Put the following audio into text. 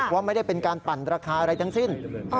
ว่าไม่ได้เป็นการปั่นราคาอะไรทั้งสิ้น